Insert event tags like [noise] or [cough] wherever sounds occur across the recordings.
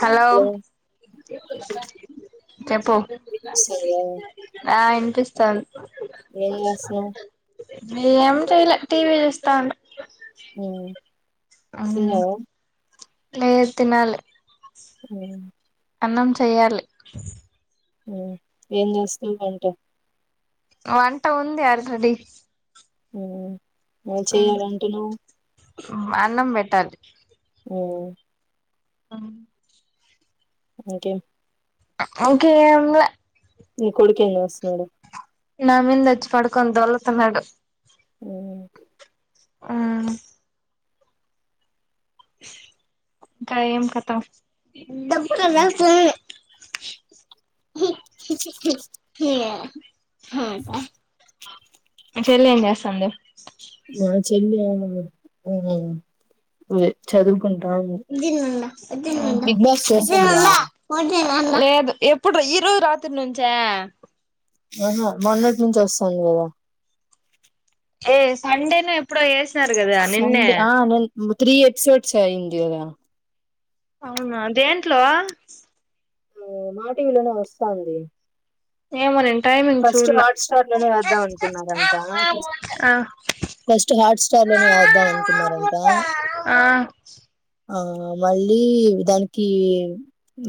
Hello చెపు వినిపిస్తుందా ఆ ఇనిపిస్తాంది ఏం చేస్తున్నావ్ ఏమి చెల్ల టీవీ చూస్తా ఉం తిన్నావా లేే తి నాలి అ అన్నం చెయ్యాలి ఏం చేస్తావు వంట వంట ఉంది ఆల్రెడీ ఉ చేయల అంటున్నావ్ అన్నం పెట్టాలి ఉ అ ఇంకే ఇంకేం లే నీ కొడుకు ఏం చేస్తునాడు నామీద వచ్చ పడుకొని ధోలతునాడు మ్మ్ ఆ ఇంకా ఏం కతా ఉమ్ [unintelligible] [unintelligible] చెల్లేం చేస్తంది మా చెల్ అ చదువు బిగ్ బాస్ చూస్తున్నావా లేదు ఎప్పుడు ఈరోజు రాత్రి నుంచే. ఆహా మొన్నటి నుంచి వస్తాను కదా ఏ సండేను ఎప్పుడో ఎస్ సండ ఆ నినా త్రీ ఎపిసోడ్స్ అయింది గధ అవునా దేంట్లో ఎ మాటివిలోనే వస్తాంది ఏమో నే టైమింగ్ ఫస్ట్ చూడ్ల హాట్ స్టార్ లోనే వేద్దాం అనుకున్నారంట ఫస్ట్ హాట్ స్టార్ లోనే వేద్దాం అనుకున్నారంట ఆ మళ్ళీ దానికి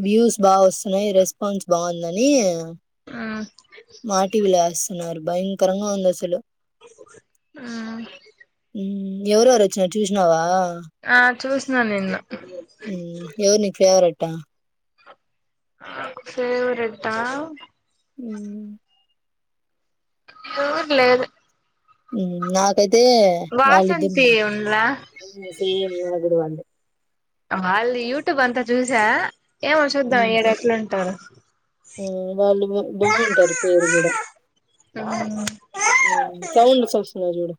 వ్యూస్ బాగా వస్తున్నాయి రెస్పాన్స్ బాగుంది నని ఆ వేస్తున్నారు భయంకరంగా ఉంది అసలు ఆ ఎవరు ఎవరు వచిన్నారు చుసినావా. ఆ చూసి ననిన్న ఎవరు నీ ఫేవరెట్ ట్ట ఫేవరేట్ హా ఉ ఊర్లేదు నా ఆయితే వాళ్ళిద్దరు వాసంతి ఉండ్లా ఉండ సేమ్ అగుడువాండి వాళ్ళ యూట్యూబ్ అంతా చూసా ఏమో చూద్దాము మ్మ్ ఈడ ఎట్ల ను వాళ్ళు బాగుంటారు పేరు కూడా సౌండ్స్ వస్తునాయ్ చూడు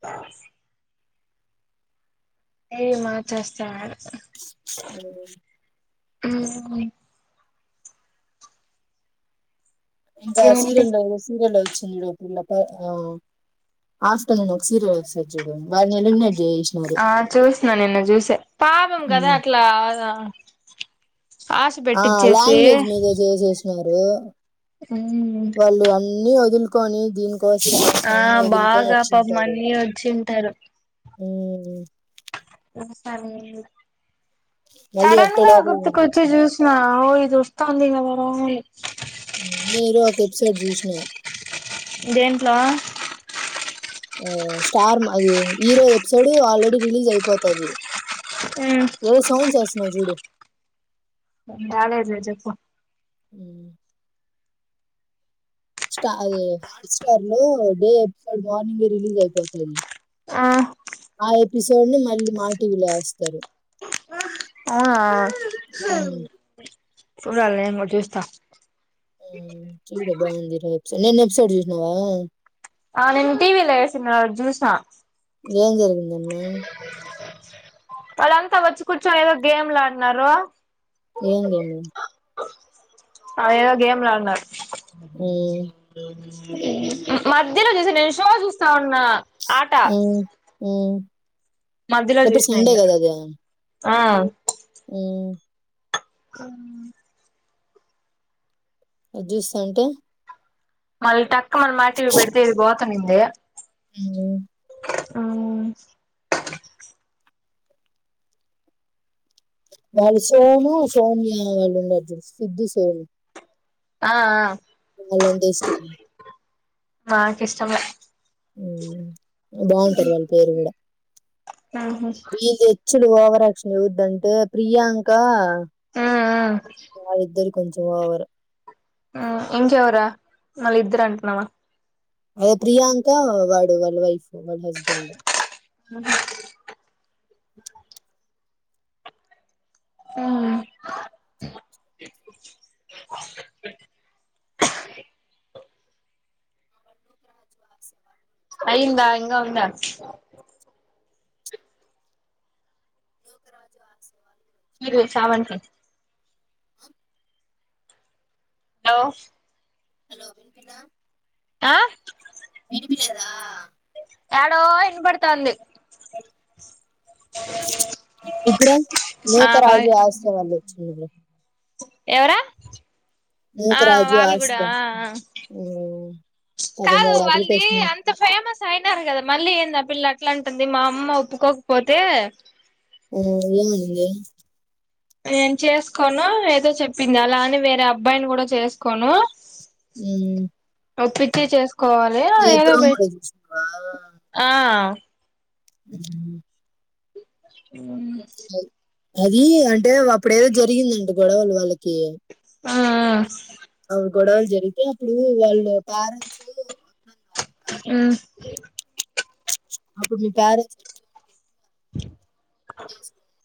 బ ఏ మా చేస్తా అవు అ ఇంకా ఇంకేంటి సీరెండ సీరెలుు చె అప్పు ఆఫ్టర్నూన్ ఒక సీరియల్ చూడండి. ఆ చూస్నా నిన్నా చూసా పాపం గదా అట్లా ఆశ ఆ పెట్టిచ్చేసి లాంగ్వేజ్ మీదే చేసేసి మీరు వాళ్ళు అన్ని వదుల్ కొనేదీ ఆ బాగా పాపం అన్ని వచుంటారు ఉమ్ హ్మ్ ఉంట నేన్ ఇగా మళ్ళీ సడన్ ఎక్కడ గా లోపలికి గుర్తుకొచ్చి పంపించారు చూసిన ఓయ్ దుస్తాంది ఇంగా వేరే ఆమ్మి హ్మ్ ఈరోజ్ ఒక ఎపిసోడ్ చూస్నా దేంట్లో ఆ స్టార్ మా అది హీరో ఎపిసోడ్ ఆల్రెడీ రిలీజ్ అయిపోతది ఏ సౌడ్ చేస్త్ నా జుడు కాలేజె చెప్పు అ స్టారు హాట్ స్టార్ లో డే ఎపిసోడ్ మార్నింగ్ రిలీజ్ అయిపోతుంద్ ఆ ఆ ఎపిసోడ్ ను మళ్ళీ మాటీవీలో వెస్తారు ఆ చూడలే చూస్తా ఉమ్ చూడ బాగుంది ఈరోజు నిన్న ఎపిసోడ్ చూసినావా. ఆ నేను టీవీ లో వేసిన జూసా. ఏం జరిగి ఉన్నదా వాళ్ళంతా వచ్చి కూర్చని ఏదో గేమ్ లులాడినారు ఏం తిన్నవ్ ఆ ఏదో గేమ్లాడిన్నారు కీక్ ఉమ్, ఉహూ మధ్యలో వచ్చసి నేను షో చూస్తా ఉన్నా ఆట ఆ మధ్యలో ఎప్పుడు చూసిన సండే ఇంగ కదా అది ఆ ఉమ్, ఆ చ్యూస్త అంటే మల్ట ఇక్క మన మాటి పెడితే ఇది పోతనుంది ఉమ్, అవు వాళ్ళు సోను సోనియా వాళ్ళు ఉన్నారు సిద్ధ సోను ఆ చాలంటే ఇష్టం నా కష్టం బాగుంటారు వాళ్ళ పేరు కూడా ఆహా అచ్చుడు ఓవరాక్షన్ ఇవద్దంటే ప్రియాంక. ఉమ్ వాళ్ళ ఇద్దరు కొంచెం ఓవర్ ఇంకవరా మళ్ళ ఇద్దరు అంటూనావు అదే ప్రియాంక వాడు వాళ్ళ వైఫ్ వాళ్ళ హస్బెండ్. మ ఆ అయ్యందా ఇంగా ఉందా [inaudible] మీరు చావ [unintelligible] హలో హలో [unintelligible] ఆ విడిపిలేదా ఏడో ఇన పడుతుంది ఇప్పుడు ఆ నుతో బాయ్ రాజు [unintelligible] ఎవరా నుక ఆ రాజు వాళ్ళు కూడా ఆసియా ఆ ఆ కాదు వాళ్ళది అంత ఫేమస్ అయినారు కదా మళ్ళీ [unintelligible] పిల్ల అట్లాంటుంది మా అమ్మ ఒప్పుకోకపోతే ఉం ఏం అనింది నేను చేసుకోను ఏదో చెప్పింది అలాని వేరే అబ్బాయిని కూడా చేసుకోను ఓపించి చేస్ కావాలే ఏ ప్రోమోలో చూసినావా ఆ [unintelligible] అది అంటే ఇప్పుడ ఏదో జరిగిందండి గొడవలు వాళ్ళకి ఆ అవు గొడవలు జరిగితే అప్పుడు వాళ్ళు పేరెంట్స్. ఆ అప్పుడు మీ పేర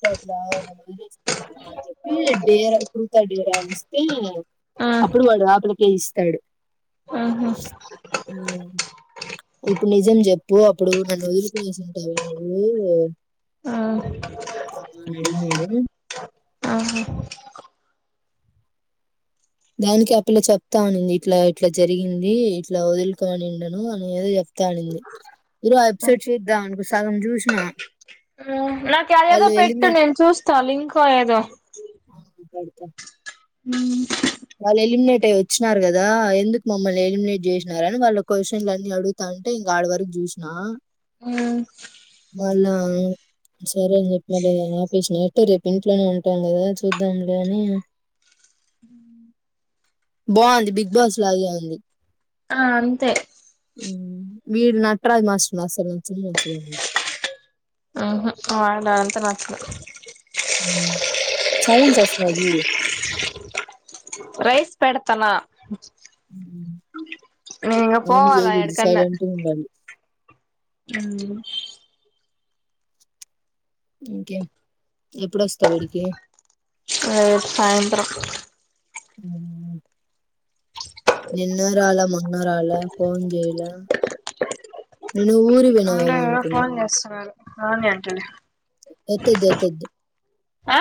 కులాసుకుంటావా అని చెప్పి డేరా కృతా డేరా అని ఇస్తే ఆ అప్పుడు వాడు ఆపలికే ఇస్త తడు ఆహా ఇప్పుడు నిజం చెప్పు అప్పుడు నన్ను వదు సంటవినరు ఆ అడిగినడు ఆహా దానికి అ పిల్ల చెప్తా అనింది ఇట్లా ఇట్లా జరిగింది ఇట్లా వదులుకొనిండను అనే ఎదో చెప్తా అనింది, ఇరు ఆ ఎప్సట్ చిద్దా అనుకో సగం చూస్నా నాక్ యాదెదో పెట్టు నేను చూస్తా లింకో ఏదో త్త హు వాళ్ళు ఎలిమినేట్ అయ్ వచ్చిన్నారు కదా, ఎందుక్ మమ్మల్ని ఎలిమినేట్ చేస్నార్ అని వాళ్ళు కోసన్లు అన్నీ అడుతా అంటే ఇంగా ఆడివరకు చూస్నా ఆ వాళ్లా, సరేని చెప్పి వాల్లేదొ ఆపేస్ న్నట్టు రేపు ఇంట్లోనే ఉంటాం కదా, చూద్దాంలే అని ఉ బావుంది, బిగ్ బాస్ లాగే ఉంది. ఆ అంతే ఉమ్. వీడు నట్ర్ రాజ్ మాస్రల్ అసలు నచ్చనే నచ్చలేదు నాకు ఆహా, వాడంత న స సౌన్స్ వస్నాయ్ జుడు తన ఆయన పోవాలా చేయకూడదు ఎడికన్నా సైలెంటుగ ఉండాలి. హు ఇంకేం ఎప్పుడొస్తావు వీడికి అ సాయంత్రం హు‌హు నిన్న రాల మొ న్నారాల ఫోన్ జెయల అంగ ఎవరో ఫోన్ చేస్సనారు, రాని అంటనే, ఎత్తద్దు ఎత్తద్దు ఆ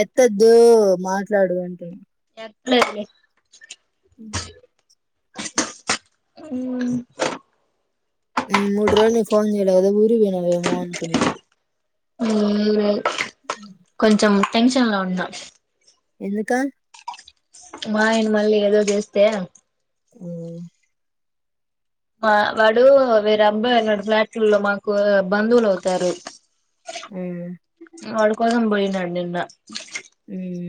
ఎత్తెద్దు మాట్లాడు అంట అట్లే ని హుం హు, మూడు రోజులు నీ ఫోన్ చేయిలే కదు ఊరివోయినావేమో అనుకున్నా హూ మె కొంచెమ్ టెన్షన్ లోన్న ఎందుకా మా ఆయన మళ్ళీ ఏదోటి చేస్తే హూ మా వాడు వేరే అబ్బాయన్నాడు ఫ్లాట్లల్లో మాకు బంధువులైతారు. హూ వాడు కోసం పోయిండాడ్ నిన్న హూ హు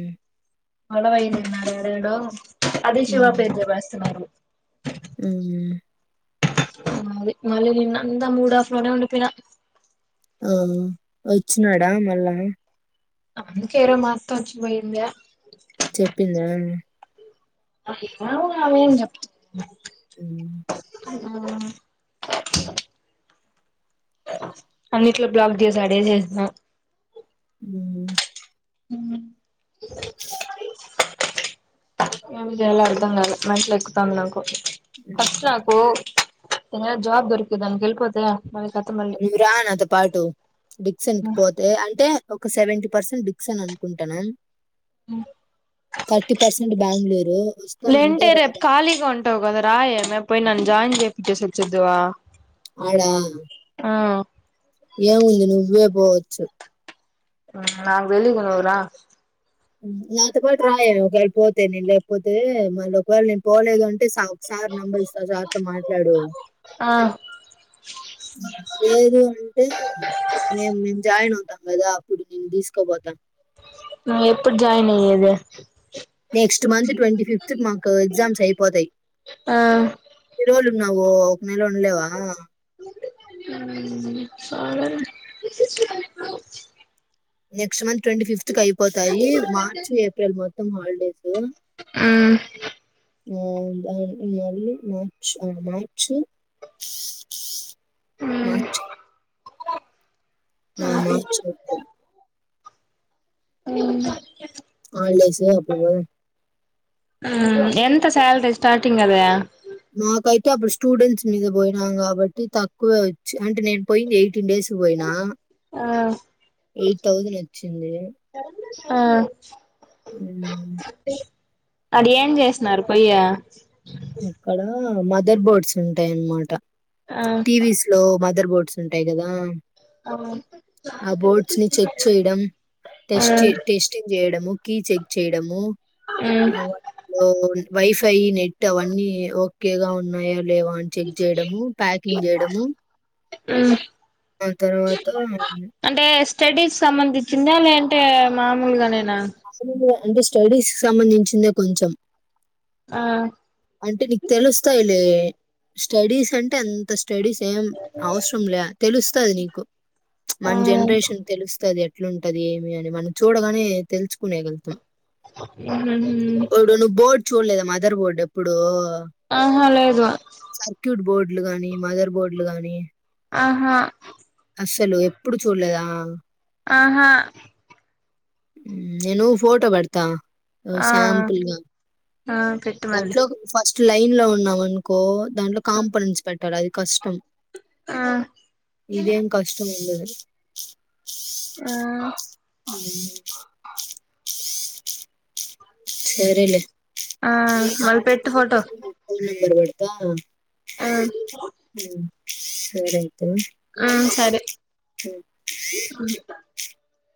గొడవయింది నిన ఆడెఎడో అది శివాపేత్రి బస్స్ మైరు హు హు మలి మళ్లి నిన్నంతా మూడ్ ఆఫ్ లోనే ఉండిపోయిన. హో వచ్చినాడా మళ్ళా అందుకే ఈరో మత్త వచ్చి పోయిందే. చెప్పిందా అడిగిన ఆమె ఏం చెప్పాద్ ఉహ్మ్ అన్నిట్లో బ్లాక్ చేసాడే అడే చేస్నా ఉహ్ ఏమి చేయలో అర్థం కాలే మెంటలెక్కుతంది. నాకు హ్మ్. ఫస్ట్నాకో ఏమైనా జాబ్ దొరికి దానికెళ్పోతే నువ్వు రా నాతో పాటు. డిక్సిన్ కి పోతే అంటే. ఒక సెవెంటీ పర్సెంట్ డిక్సేన్ అనుకుంటన్నాం. బెంగుళూరు. వస్తానంటే లెంటే రేపు రాదా? ఖాలీగా ఉంటవు కదా. రాయే మే పోయిన జాయిన్ చెప్పించేసోచేద్దువా. ఆడ అహ్ ఏముంది నువ్వే పోవచ్చు. నాకు వెలిగు నువ్రా నాతో పాటు రాయే. ఒకవేళ పోతే నేను లేకపోతే మళ్ళీ ఒకవేళ నేను పోలేదు అంటే సావు. సార్ నెంబరిస్తా సార్తో మాట్లాడు ఆ లేదు. అంటే మేం మేము జాయిన్ అవుతా గదా అప్పుడు నిన్ను తీస్కపోతా. నువ్వు ఎప్పుడు జాయిన్ అయ్యేదే. నెక్స్ట్ మంత్ ట్వంటీ ఫిఫ్త్ క్ మాకు ఎగ్జామ్స్ అయిపోతాయి. ఆ రోల్ వునవో నెల ఉండ్లేవా ఉహ్ సరేలే నెక్స్ట్ మంత్ ట్వంటి ఫిఫ్త్ కి అయిపోతాయి. మార్చ ఏప్రిల్ మొత్తం హాలిడేస్. ఉమ్ ఆహ్ ఆగ్ మ మార్చ్ ఆ మార్చ్ మాచ్ ఆ మార్చ్ ముప్పై అహ్ అల్డెస్ గా అప్పుడు పోదాం ఆహ్ ఎంత సాలరి స్టార్టింగ్ అద మాకైతే అప్పుడు స్టూడెంట్స్ మీద పోయినాం. కాబట్టి తక్కువ వచ్చి అంటే నేను పోయింది. ఎయిట్ న్ డేస్ కు పోయినా ఆ ఎయిట్ థౌసండ్ వచ్చింది. ఆహ్ ఎం తెల్వదు అది ఏం చేసన్నారు పొయ్య అక్కడ ఆ మదర్ బోర్డ్స్ ఉంటాయన్నమాట ఆ టీవి స్లో మ అందర్ బోర్డ్స్ ఉంటాయి కదా ఆ ఆ బోర్డ్స్ ని చెక్ చేయడం టెస్టి టెస్టింగ్ చేయడము కి చెక్ చేయడము మ్మ్ అఓ వై ఫై నెట్ అవన్నీ ఓకేగా ఉన్నాయ లేవా అని చెక్ చేయడము ప్యాకింగ్ చేయడము ఉం ఆ తర్వాత స్టడీస్ సంబంధించింది అలాంటే మామూలుగా నేన అసలు అంటే స్టడీస్ కి సంబంధించిందే కొంచెం ఆ అంటే నీకు తెలుస్తాయిలే స్టడీస్ అంటే అంత స్టడీస్ ఏం అవసరం లే తెలుస్తుంది నీకు మన ఆ జనరేషన్ కి తెలుస్తది ఎట్లాంటది ఏమి అని మనం చూడగానే తెలుసుకునేగలుగుతాం ఉహుం ఇప్పుడు నువ్వు బోర్డు చూడలేదా మదర్ బోర్డ్ ఎప్పుడు ఆహ లేేదు బోర్డ్లు గానీ మదర్ బోర్డులు గాని ఆహా అసలు ఎప్పుడు చూలేదా ఆహా నేను ఫోటో పడతా ఆ సాంపుల్గా ఆ పెట్టు మళ్ళీ దాంట్లో ఫస్ట్ లైన్ లో ఉన్నాం అనుకో దాంట్లో కాంప నున్స్ పెట్ టా ల అది కష్టం ఆ ఇదేం కష్టం ఉండదు [inaudible] ఆ ఈ సరలే ఆ మళపెట్టు ఫోటో ద మ్మ్ అ సరె మ్మ్ సరే